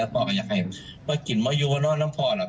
พ่อก็อยากให้กลิ่นมะโยวเนอะน้ำพ่อ